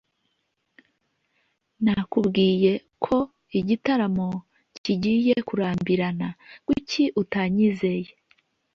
nakubwiye ko igitaramo kigiye kurambirana. kuki utanyizeye